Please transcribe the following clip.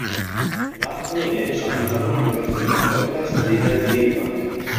Der Nachkomme dänischer Einwanderer gehört zu den erfolgreichsten Seglern der Gegenwart.